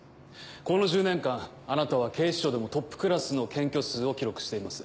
この１０年間あなたは警視庁でもトップクラスの検挙数を記録しています。